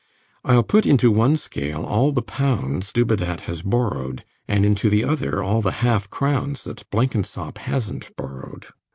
I'll put into one scale all the pounds Dubedat has borrowed, and into the other all the half crowns that Blenkinsop hasnt borrowed.